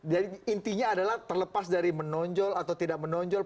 jadi intinya adalah terlepas dari menonjol atau tidak menonjol